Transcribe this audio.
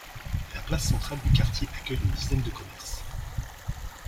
La place centrale du quartier accueille une dizaine de commerces.